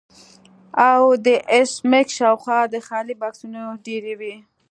او د ایس میکس شاوخوا د خالي بکسونو ډیرۍ وه